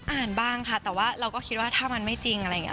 อ่านบ้างค่ะแต่ว่าเราก็คิดว่าถ้ามันไม่จริงอะไรอย่างนี้